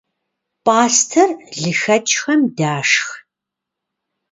Пӏастэр лыхэкӏхэм дашх.